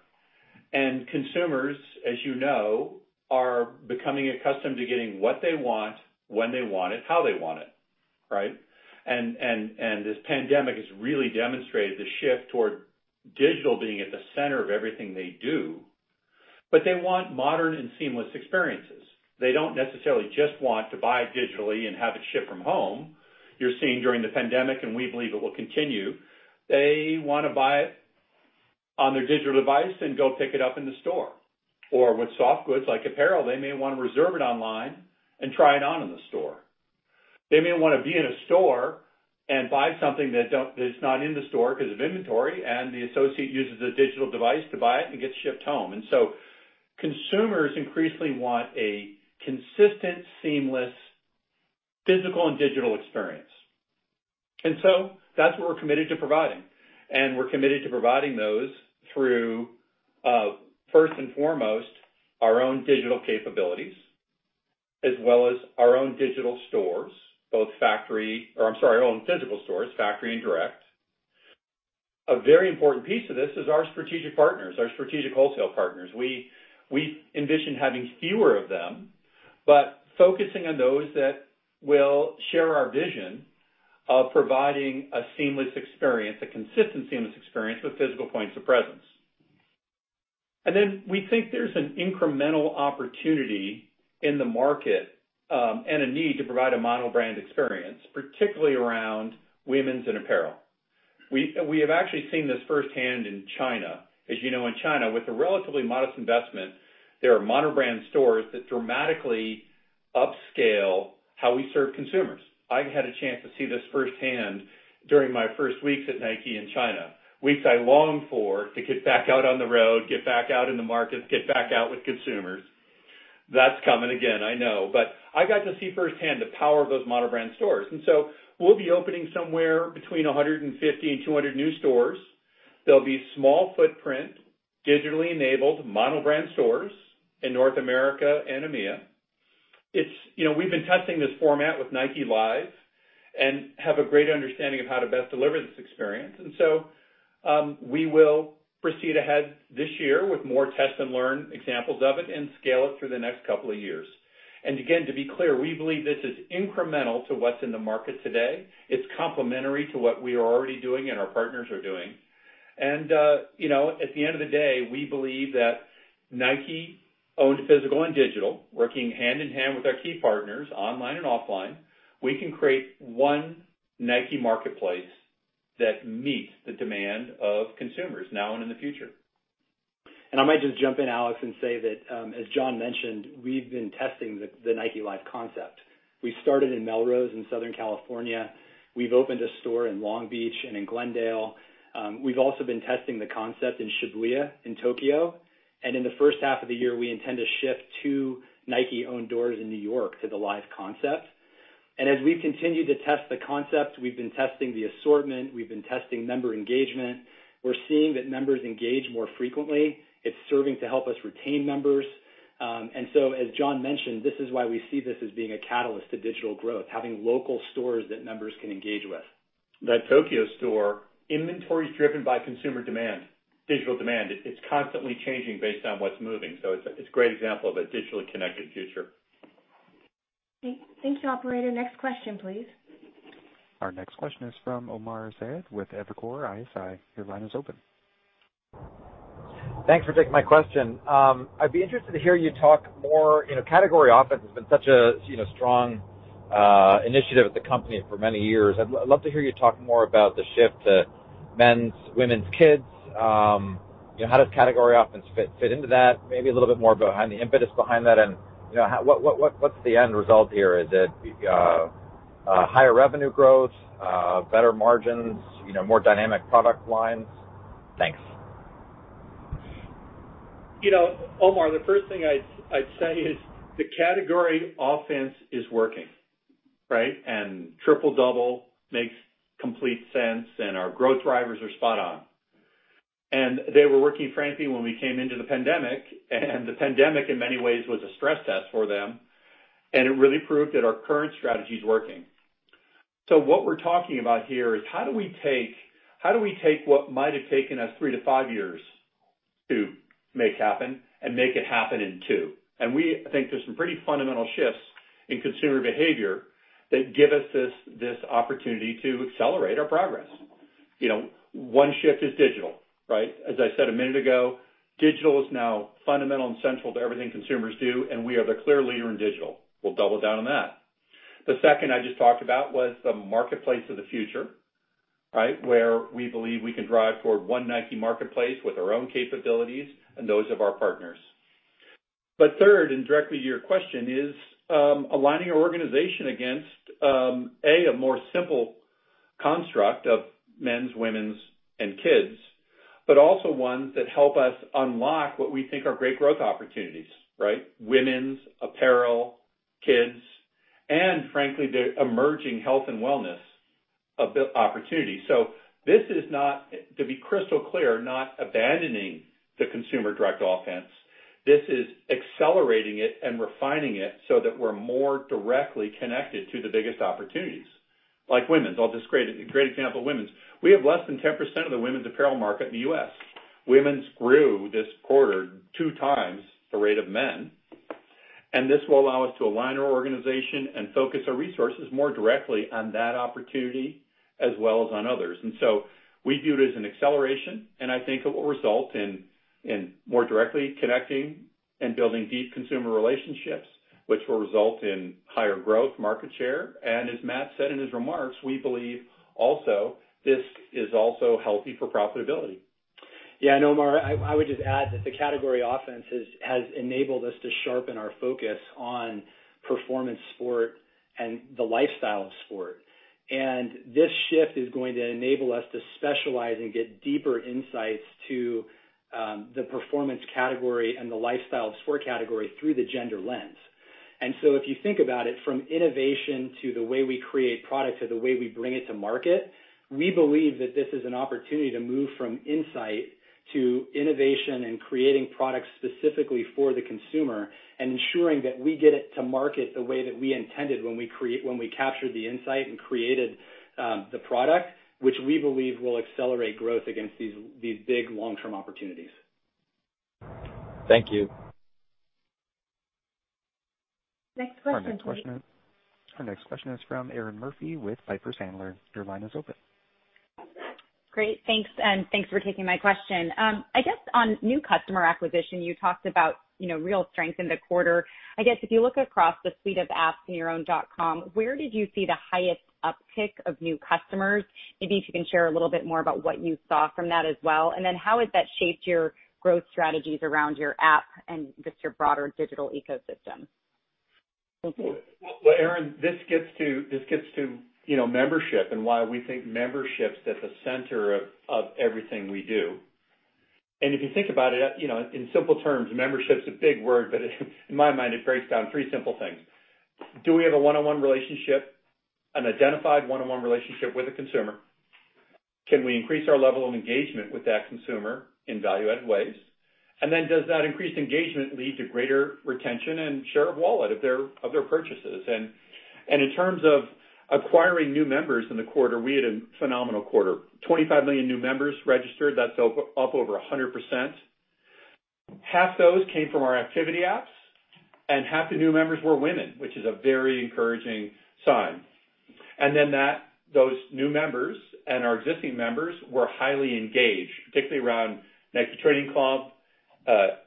Consumers, as you know, are becoming accustomed to getting what they want, when they want it, how they want it. Right? This pandemic has really demonstrated the shift toward digital being at the center of everything they do, but they want modern and seamless experiences. They don't necessarily just want to buy digitally and have it shipped from home. You're seeing during the pandemic, and we believe it will continue, they want to buy it on their digital device and go pick it up in the store. With soft goods like apparel, they may want to reserve it online and try it on in the store. They may want to be in a store and buy something that's not in the store because of inventory, and the associate uses a digital device to buy it and gets it shipped home. Consumers increasingly want a consistent, seamless physical and digital experience. That's what we're committed to providing, and we're committed to providing those through, first and foremost, our own digital capabilities as well as our own digital stores, both factory, or I'm sorry, our own physical stores, factory and direct. A very important piece of this is our strategic partners, our strategic wholesale partners. We envision having fewer of them, but focusing on those that will share our vision of providing a seamless experience, a consistent, seamless experience with physical points of presence. Then we think there's an incremental opportunity in the market and a need to provide a mono brand experience, particularly around women's and apparel. We have actually seen this firsthand in China. As you know, in China, with a relatively modest investment, there are mono brand stores that dramatically upscale how we serve consumers. I had a chance to see this firsthand during my first weeks at Nike in China, weeks I longed for to get back out on the road, get back out in the markets, get back out with consumers. That's coming again, I know. I got to see firsthand the power of those mono brand stores. So we'll be opening somewhere between 150 and 200 new stores. They'll be small footprint, digitally enabled mono brand stores in North America and EMEA. We've been testing this format with Nike Live and have a great understanding of how to best deliver this experience. We will proceed ahead this year with more test and learn examples of it and scale it through the next couple of years. Again, to be clear, we believe this is incremental to what's in the market today. It's complementary to what we are already doing and our partners are doing. At the end of the day, we believe that Nike owned physical and digital, working hand in hand with our key partners online and offline, we can create one Nike marketplace that meets the demand of consumers now and in the future.
I might just jump in, Alex, and say that, as John mentioned, we've been testing the Nike Live concept. We started in Melrose in Southern California. We've opened a store in Long Beach and in Glendale. We've also been testing the concept in Shibuya in Tokyo. In the first half of the year, we intend to shift two Nike-owned doors in New York to the Live concept. As we've continued to test the concept, we've been testing the assortment. We've been testing member engagement. We're seeing that members engage more frequently. It's serving to help us retain members. As John mentioned, this is why we see this as being a catalyst to digital growth, having local stores that members can engage with.
That Tokyo store inventory is driven by consumer demand, digital demand. It's constantly changing based on what's moving. It's a great example of a digitally connected future.
Thank you, operator. Next question, please.
Our next question is from Omar Saad with Evercore ISI. Your line is open.
Thanks for taking my question. I'd be interested to hear you talk more, category offense has been such a strong initiative at the company for many years. I'd love to hear you talk more about the shift to men's, women's, kids. How does category offense fit into that? Maybe a little bit more behind the impetus behind that and what's the end result here? Is it higher revenue growth, better margins, more dynamic product lines? Thanks.
Omar, the first thing I'd say is the category offense is working. Right. Triple Double makes complete sense, and our growth drivers are spot on. They were working, frankly, when we came into the pandemic, and the pandemic in many ways was a stress test for them, and it really proved that our current strategy is working. What we're talking about here is how do we take what might have taken us three to five years to make happen and make it happen in two? We think there's some pretty fundamental shifts in consumer behavior that give us this opportunity to accelerate our progress. One shift is digital, right? As I said a minute ago, digital is now fundamental and central to everything consumers do, and we are the clear leader in digital. We'll double down on that. The second I just talked about was the marketplace of the future, right? Where we believe we can drive toward one Nike marketplace with our own capabilities and those of our partners. Third, and directly to your question, is aligning our organization against, A, a more simple construct of men's, women's, and kids, but also ones that help us unlock what we think are great growth opportunities, right? Women's apparel, kids, and frankly, the emerging health and wellness opportunity. This is not, to be crystal clear, not abandoning the Consumer Direct Offense. This is accelerating it and refining it so that we're more directly connected to the biggest opportunities. Like women's. I'll just create a great example, women's. We have less than 10% of the women's apparel market in the U.S. Women's grew this quarter two times the rate of men. This will allow us to align our organization and focus our resources more directly on that opportunity as well as on others. We view it as an acceleration. I think it will result in more directly connecting and building deep consumer relationships, which will result in higher growth market share. As Matt said in his remarks, we believe this is also healthy for profitability.
Yeah, no, Omar, I would just add that the category offense has enabled us to sharpen our focus on performance sport and the lifestyle of sport. This shift is going to enable us to specialize and get deeper insights to the performance category and the lifestyle of sport category through the gender lens. If you think about it from innovation to the way we create product, to the way we bring it to market, we believe that this is an opportunity to move from insight to innovation and creating products specifically for the consumer and ensuring that we get it to market the way that we intended when we captured the insight and created the product, which we believe will accelerate growth against these big, long-term opportunities.
Thank you.
Next question, please. Our next question is from Erinn Murphy with Piper Sandler. Your line is open.
Great. Thanks, thanks for taking my question. I guess on new customer acquisition, you talked about real strength in the quarter. I guess if you look across the suite of apps in your own .com, where did you see the highest uptick of new customers? Maybe if you can share a little bit more about what you saw from that as well, how has that shaped your growth strategies around your app and just your broader digital ecosystem?
Erinn, this gets to membership and why we think membership's at the center of everything we do. If you think about it, in simple terms, membership's a big word, but in my mind, it breaks down three simple things. Do we have a one-on-one relationship, an identified one-on-one relationship with a consumer? Can we increase our level of engagement with that consumer in value-added ways? Does that increased engagement lead to greater retention and share of wallet of their purchases? In terms of acquiring new members in the quarter, we had a phenomenal quarter. 25 million new members registered. That's up over 100%. Half those came from our activity apps, and half the new members were women, which is a very encouraging sign. Then those new members and our existing members were highly engaged, particularly around Nike Training Club,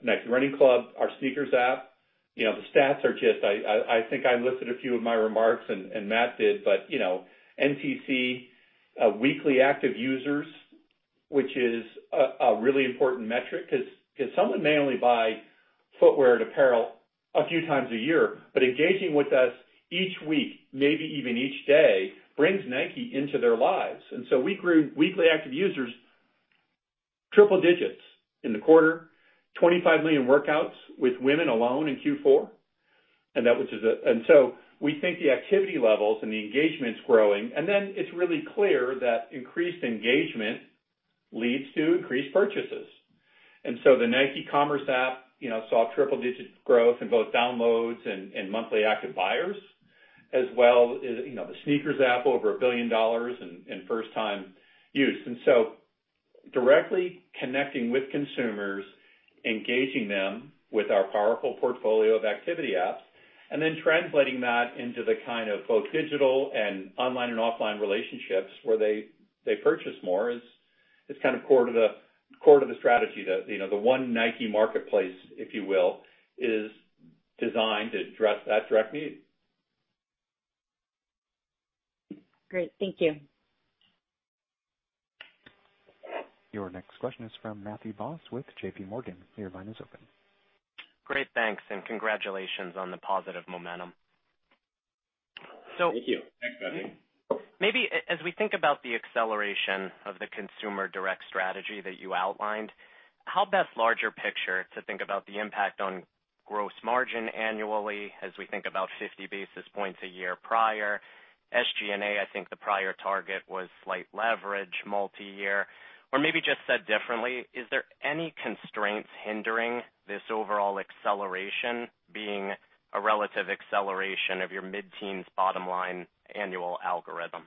Nike Run Club, our SNKRS app. The stats are I think I listed a few in my remarks and Matt did, but NTC weekly active users, which is a really important metric because someone may only buy footwear and apparel a few times a year, but engaging with us each week, maybe even each day, brings Nike into their lives. So we grew weekly active users triple digits in the quarter. 25 million workouts with women alone in Q4. So we think the activity levels and the engagement's growing, and then it's really clear that increased engagement leads to increased purchases. The Nike App saw triple-digit growth in both downloads and monthly active buyers as well the SNKRS app, over $1 billion in first time use. Directly connecting with consumers, engaging them with our powerful portfolio of activity apps, and then translating that into the kind of both digital and online and offline relationships where they purchase more is kind of core to the strategy. The one Nike marketplace, if you will, is designed to address that direct need.
Great. Thank you.
Your next question is from Matthew Boss with JP Morgan. Your line is open.
Great. Thanks, and congratulations on the positive momentum.
Thank you. Thanks, Matthew.
Maybe as we think about the acceleration of the consumer direct strategy that you outlined, how best larger picture to think about the impact on gross margin annually as we think about 50 basis points a year prior, SG&A, I think the prior target was slight leverage multi-year? Maybe just said differently, is there any constraints hindering this overall acceleration being a relative acceleration of your mid-teens bottom line annual algorithm?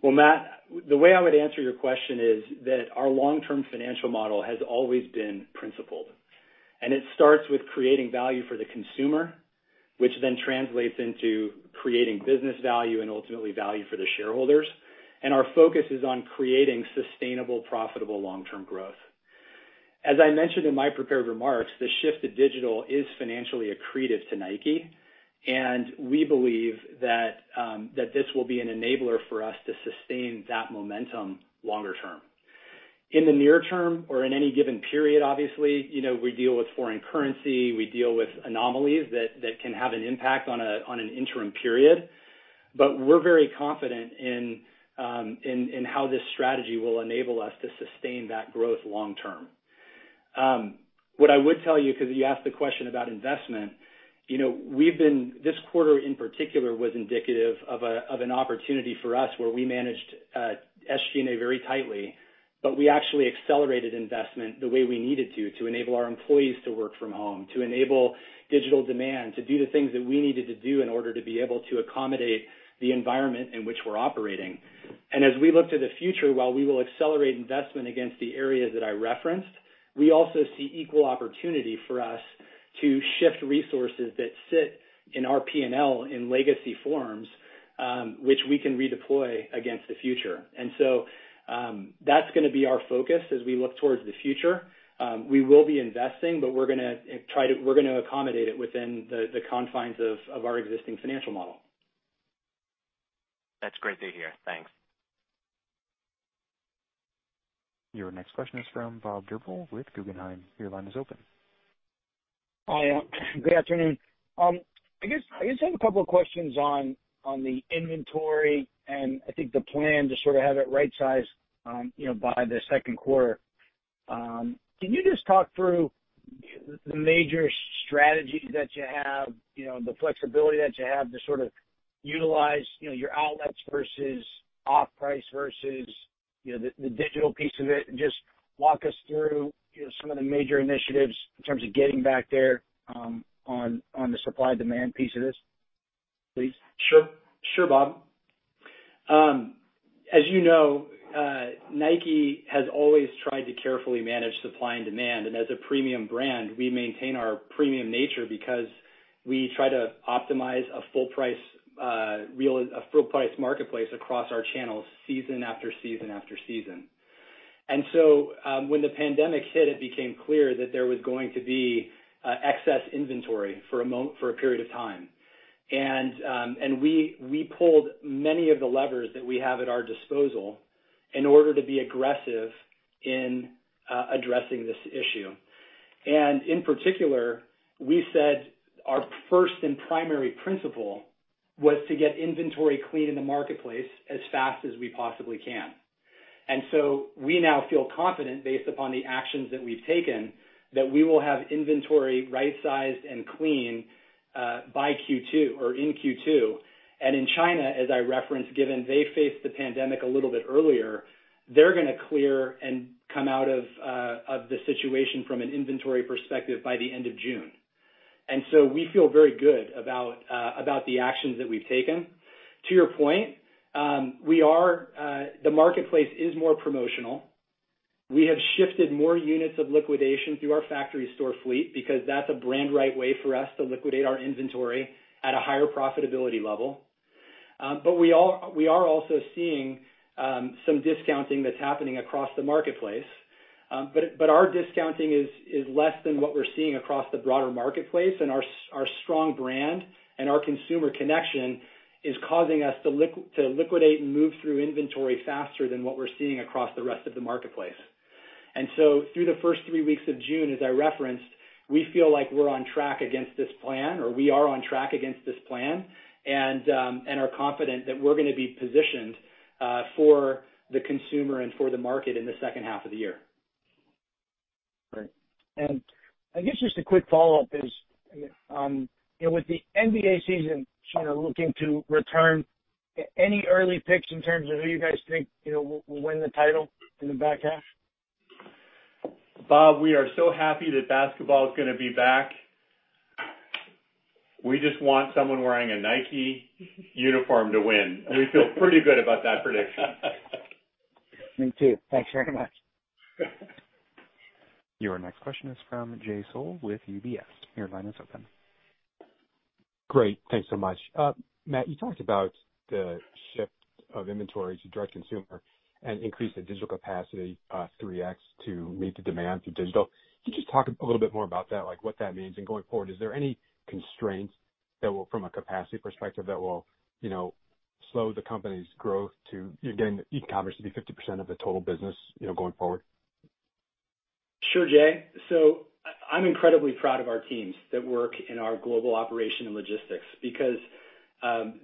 Well, Matt, the way I would answer your question is that our long-term financial model has always been principled. It starts with creating value for the consumer, which then translates into creating business value and ultimately value for the shareholders. Our focus is on creating sustainable, profitable, long-term growth. As I mentioned in my prepared remarks, the shift to digital is financially accretive to Nike, and we believe that this will be an enabler for us to sustain that momentum longer term. In the near term or in any given period, obviously, we deal with foreign currency, we deal with anomalies that can have an impact on an interim period. We're very confident in how this strategy will enable us to sustain that growth long term. What I would tell you, because you asked the question about investment. This quarter in particular, was indicative of an opportunity for us where we managed SG&A very tightly, but we actually accelerated investment the way we needed to enable our employees to work from home, to enable digital demand, to do the things that we needed to do in order to be able to accommodate the environment in which we're operating. As we look to the future, while we will accelerate investment against the areas that I referenced, we also see equal opportunity for us to shift resources that sit in our P&L in legacy forms, which we can redeploy against the future. That's going to be our focus as we look towards the future. We will be investing, but we're going to accommodate it within the confines of our existing financial model.
That's great to hear. Thanks.
Your next question is from Bob Drbul with Guggenheim. Your line is open.
Hi. Good afternoon. I guess I just have a couple of questions on the inventory and I think the plan to sort of have it right sized by the second quarter. Can you just talk through the major strategies that you have, the flexibility that you have to sort of utilize your outlets versus off-price versus the digital piece of it? Just walk us through some of the major initiatives in terms of getting back there on the supply and demand piece of this, please.
Sure, Bob. As you know, Nike has always tried to carefully manage supply and demand. As a premium brand, we maintain our premium nature because we try to optimize a full price marketplace across our channels season after season after season. When the pandemic hit, it became clear that there was going to be excess inventory for a period of time. We pulled many of the levers that we have at our disposal in order to be aggressive in addressing this issue. In particular, we said our first and primary principle was to get inventory clean in the marketplace as fast as we possibly can. We now feel confident, based upon the actions that we've taken, that we will have inventory right sized and clean by Q2 or in Q2. In China, as I referenced, given they faced the pandemic a little bit earlier, they're going to clear and come out of the situation from an inventory perspective by the end of June. We feel very good about the actions that we've taken. To your point, the marketplace is more promotional. We have shifted more units of liquidation through our factory store fleet because that's a brand right way for us to liquidate our inventory at a higher profitability level. We are also seeing some discounting that's happening across the marketplace. Our discounting is less than what we're seeing across the broader marketplace, and our strong brand and our consumer connection is causing us to liquidate and move through inventory faster than what we're seeing across the rest of the marketplace. Through the first three weeks of June, as I referenced, we feel like we're on track against this plan, or we are on track against this plan, and are confident that we're going to be positioned for the consumer and for the market in the second half of the year.
Right. I guess just a quick follow-up is, with the NBA season sort of looking to return, any early picks in terms of who you guys think will win the title in the back half?
Bob, we are so happy that basketball is going to be back. We just want someone wearing a Nike uniform to win. We feel pretty good about that prediction.
Me too. Thanks very much.
Your next question is from Jay Sole with UBS. Your line is open.
Great. Thanks so much. Matt, you talked about the shift of inventory to direct consumer and increase the digital capacity 3X to meet the demand through digital. Can you just talk a little bit more about that, like what that means? Going forward, is there any constraints from a capacity perspective that will slow the company's growth to getting e-commerce to be 50% of the total business going forward?
Sure, Jay. I'm incredibly proud of our teams that work in our global operation and logistics because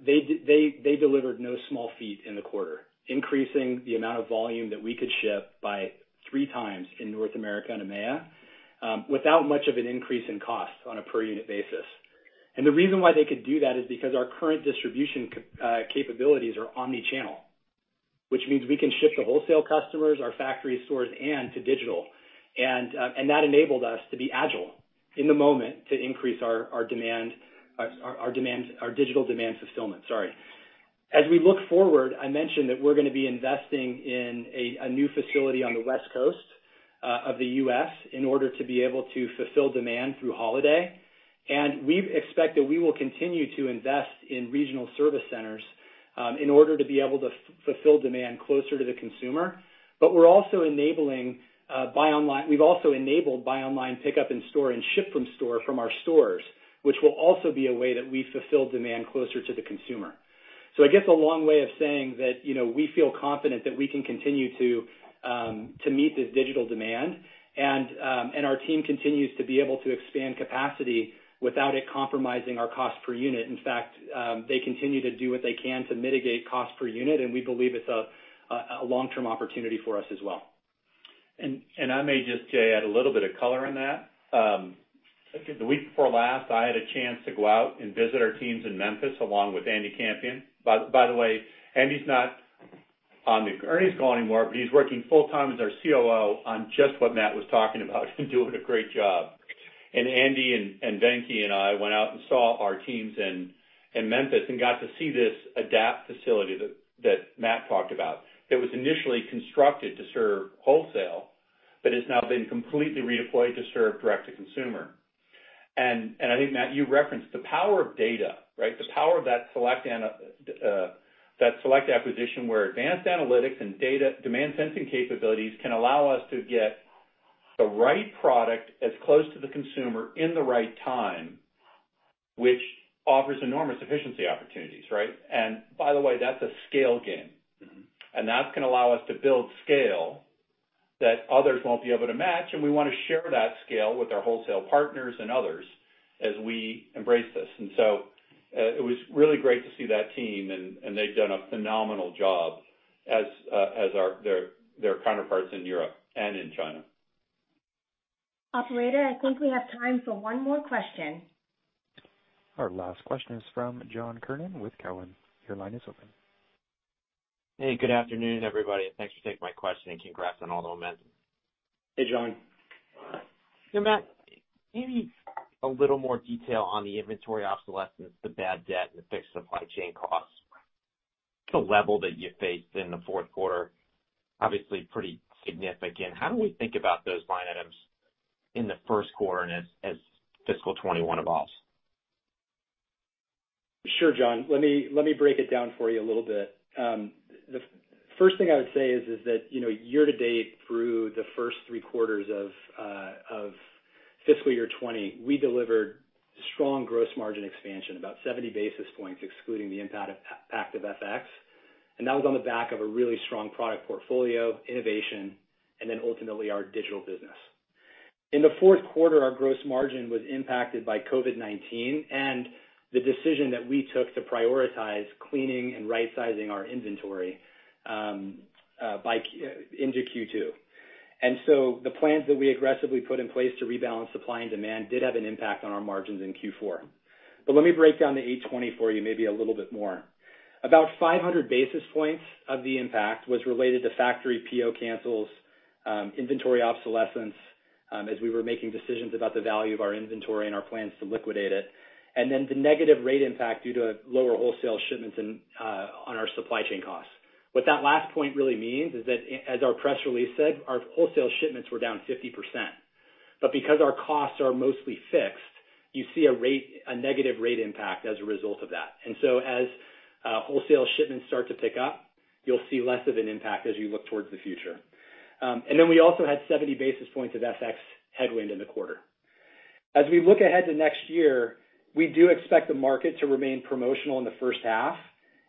they delivered no small feat in the quarter, increasing the amount of volume that we could ship by three times in North America and EMEA, without much of an increase in cost on a per unit basis. The reason why they could do that is because our current distribution capabilities are omni-channel. Which means we can ship to wholesale customers, our factory stores, and to digital. That enabled us to be agile in the moment to increase our digital demand fulfillment. As we look forward, I mentioned that we're going to be investing in a new facility on the West Coast of the U.S. in order to be able to fulfill demand through holiday. We expect that we will continue to invest in regional service centers in order to be able to fulfill demand closer to the consumer. We've also enabled buy online, pickup in store, and ship from store from our stores, which will also be a way that we fulfill demand closer to the consumer. I guess a long way of saying that we feel confident that we can continue to meet this digital demand and our team continues to be able to expand capacity without it compromising our cost per unit. In fact, they continue to do what they can to mitigate cost per unit, and we believe it's a long-term opportunity for us as well.
I may just, Jay, add a little bit of color on that. The week before last, I had a chance to go out and visit our teams in Memphis, along with Andy Campion. By the way, Andy's not on the earnings call anymore, but he's working full time as our COO on just what Matt was talking about and doing a great job. Andy and Venky and I went out and saw our teams in Memphis and got to see this adaptive facility that Matt talked about. That was initially constructed to serve wholesale, but it's now been completely redeployed to serve direct to consumer. I think, Matt, you referenced the power of data, right? The power of that Celect acquisition where advanced analytics and data demand sensing capabilities can allow us to get the right product as close to the consumer in the right time, which offers enormous efficiency opportunities, right. By the way, that's a scale game. That's going to allow us to build scale that others won't be able to match, and we want to share that scale with our wholesale partners and others as we embrace this. It was really great to see that team, and they've done a phenomenal job as their counterparts in Europe and in China.
Operator, I think we have time for one more question.
Our last question is from John Kernan with Cowen. Your line is open.
Hey, good afternoon, everybody, and thanks for taking my question and congrats on all the momentum.
Hey, John.
Matt, maybe a little more detail on the inventory obsolescence, the bad debt, and the fixed supply chain costs. The level that you faced in the fourth quarter, obviously pretty significant. How do we think about those line items in the first quarter and as fiscal 2021 evolves?
Sure, John, let me break it down for you a little bit. The first thing I would say is that year to date, through the first three quarters of fiscal year 2020, we delivered strong gross margin expansion, about 70 basis points, excluding the impact of FX. That was on the back of a really strong product portfolio, innovation, and then ultimately our digital business. In the fourth quarter, our gross margin was impacted by COVID-19 and the decision that we took to prioritize cleaning and rightsizing our inventory into Q2. The plans that we aggressively put in place to rebalance supply and demand did have an impact on our margins in Q4. Let me break down the 820 for you maybe a little bit more. About 500 basis points of the impact was related to factory PO cancels, inventory obsolescence, as we were making decisions about the value of our inventory and our plans to liquidate it. The negative rate impact due to lower wholesale shipments on our supply chain costs. What that last point really means is that as our press release said, our wholesale shipments were down 50%. Because our costs are mostly fixed, you see a negative rate impact as a result of that. As wholesale shipments start to pick up, you'll see less of an impact as you look towards the future. We also had 70 basis points of FX headwind in the quarter. As we look ahead to next year, we do expect the market to remain promotional in the first half.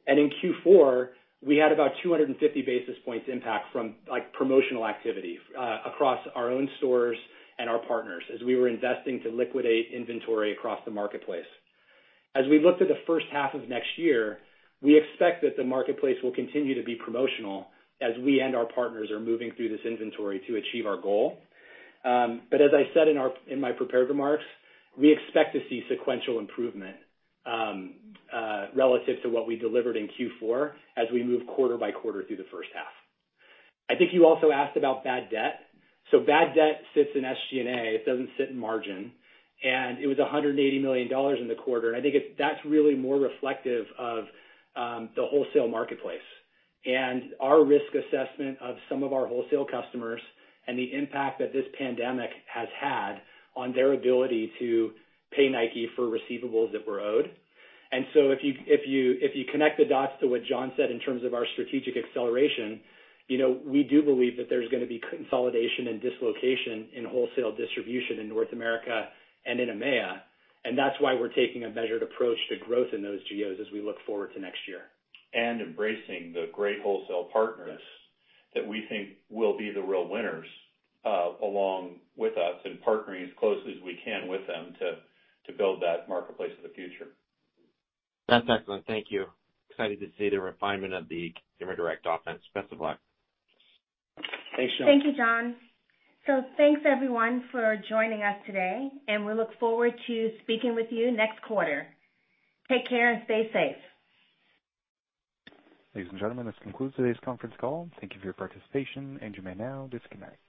In Q4, we had about 250 basis points impact from promotional activity across our own stores and our partners as we were investing to liquidate inventory across the marketplace. As we look to the first half of next year, we expect that the marketplace will continue to be promotional as we and our partners are moving through this inventory to achieve our goal. As I said in my prepared remarks, we expect to see sequential improvement relative to what we delivered in Q4 as we move quarter by quarter through the first half. I think you also asked about bad debt. Bad debt sits in SG&A. It doesn't sit in margin, and it was $180 million in the quarter. I think that's really more reflective of the wholesale marketplace and our risk assessment of some of our wholesale customers and the impact that this pandemic has had on their ability to pay Nike for receivables that were owed. If you connect the dots to what John said in terms of our strategic acceleration, we do believe that there's going to be consolidation and dislocation in wholesale distribution in North America and in EMEA, and that's why we're taking a measured approach to growth in those geos as we look forward to next year.
Embracing the great wholesale partners that we think will be the real winners along with us and partnering as closely as we can with them to build that marketplace of the future.
That's excellent. Thank you. Excited to see the refinement of the Consumer Direct Offense. Best of luck.
Thanks, John.
Thank you, John. Thanks, everyone, for joining us today, and we look forward to speaking with you next quarter. Take care and stay safe.
Ladies and gentlemen, this concludes today's conference call. Thank you for your participation, and you may now disconnect.